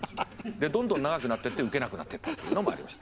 でどんどん長くなっててウケなくなってったっていうのもありました。